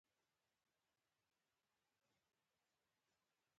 دغه جګړې پر افغانانو وتپل شوې.